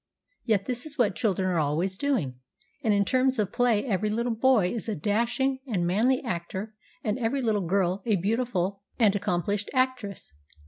Yet this is what children are always doing, and in terms of play every little boy is a dashing and manly actor and every little girl a beau tiful and accomplished actress.